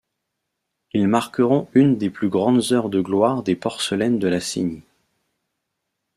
Ils marqueront une des plus grandes heures de gloire des Porcelaines de La Seynie.